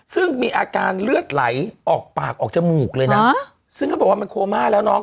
ซึ่งมีอาการเลือดไหลออกปากออกจมูกเลยนะซึ่งเขาบอกว่ามันโคม่าแล้วน้อง